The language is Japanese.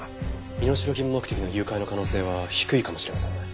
身代金目的の誘拐の可能性は低いかもしれませんね。